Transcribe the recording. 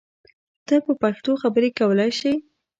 ته په پښتو خبری کولای شی!